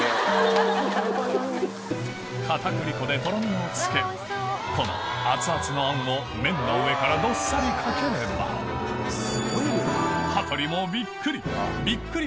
片栗粉でとろみをつけこの熱々の餡を麺の上からどっさりかければ羽鳥もびっくり！